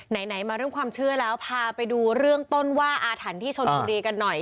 ไหนมาเรื่องความเชื่อแล้วพาไปดูเรื่องต้นว่าอาถรรพ์ที่ชนบุรีกันหน่อย